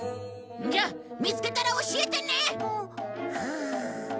じゃあ見つけたら教えてね！